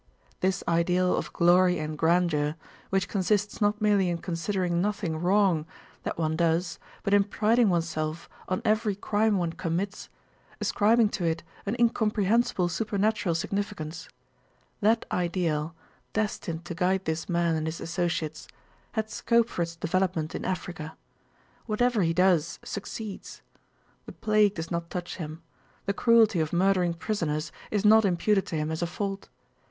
This ideal of glory and grandeur—which consists not merely in considering nothing wrong that one does but in priding oneself on every crime one commits, ascribing to it an incomprehensible supernatural significance—that ideal, destined to guide this man and his associates, had scope for its development in Africa. Whatever he does succeeds. The plague does not touch him. The cruelty of murdering prisoners is not imputed to him as a fault.